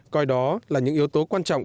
coi đó là những yếu tố quan trọng